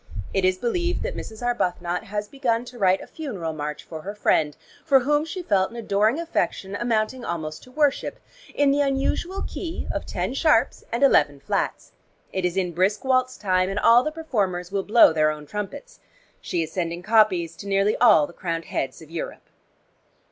It is believed that Mrs. Arbuthnot has begun to write a funeral march for her friend, for whom she felt an adoring affection amounting almost to worship, in the unusual key of ten sharps and eleven flats. It is in brisk waltz time and all the performers will blow their own trumpets. She is sending copies to nearly all the crowned heads of Europe."